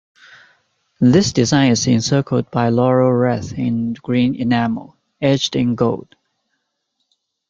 This design is encircled by a laurel wreath in green enamel, edged in gold.